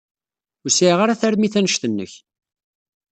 Ur sɛiɣ ara tarmit anect-nnek.